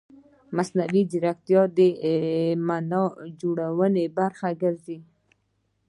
مصنوعي ځیرکتیا د معنا جوړونې برخه ګرځي.